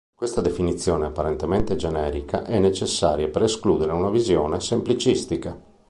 Questa definizione apparentemente generica è necessaria per escludere una visione semplicistica.